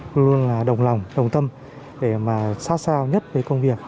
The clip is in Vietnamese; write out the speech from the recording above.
luôn luôn là đồng lòng đồng tâm để xa xa nhất với công việc